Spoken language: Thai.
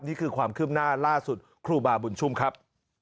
นี่คือความคืบหน้าล่าสุดครูบาบุญชุ่มครับ